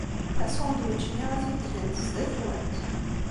Asandwič-nni ad t-id-gent sdat-went.